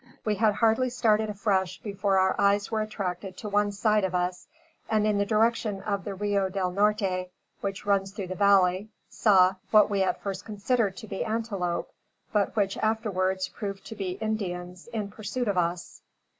We had hardly started afresh before our eyes were attracted to one side of us; and in the direction of the Rio del Norte, which runs through the valley, saw, what we at first considered to be, antelope; but which, afterwards, proved to be Indians in pursuit of us.